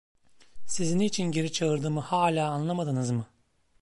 Sizi niçin geri çağırdığımı hâlâ anlamadınız mı?